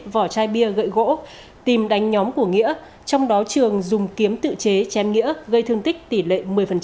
vỏ chai bia gậy gỗ tìm đánh nhóm của nghĩa trong đó trường dùng kiếm tự chế chém nghĩa gây thương tích tỷ lệ một mươi